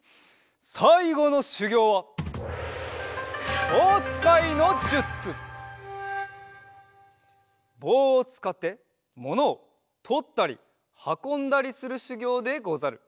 さいごのしゅぎょうはぼうをつかってものをとったりはこんだりするしゅぎょうでござる。